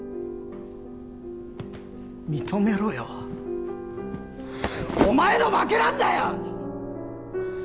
認めろよお前の負けなんだよ！